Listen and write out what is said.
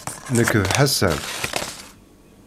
Nekk d Ḥasan.